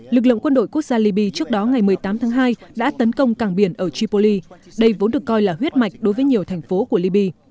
lực lượng quân đội quốc gia liby trước đó ngày một mươi tám tháng hai đã tấn công cảng biển ở tripoli đây vốn được coi là huyết mạch đối với nhiều thành phố của liby